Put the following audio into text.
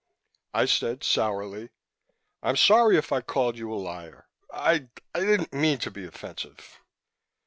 I said sourly, "I'm sorry if I called you a liar. I I didn't mean to be offensive."